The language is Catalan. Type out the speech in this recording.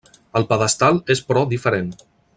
El pedestal és però diferent.